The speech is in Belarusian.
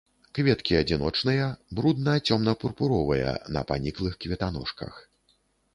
Кветкі адзіночныя, брудна-цёмна-пурпуровыя, на паніклых кветаножках.